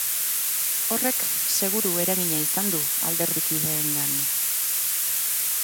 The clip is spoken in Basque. Horrek seguru eragina izan du alderdikideengan.